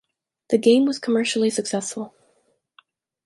The game was commercially successful.